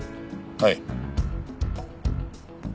はい？